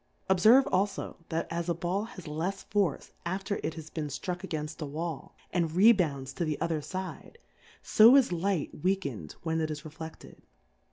Obferve alfo, that as a Ball has lefs ^orce after it has been flruck a^ainlt a Wall, and rebounds to the other iide, fo is Liglit weakaed when it is reflefted.